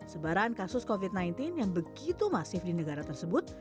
sebaran kasus covid sembilan belas yang begitu masif di negara tersebut